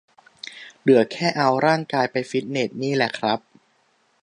เหลือแค่เอาร่างกายไปฟิตเนสนี่แหละครับ